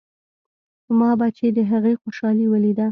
ما به چې د هغې خوشالي وليده.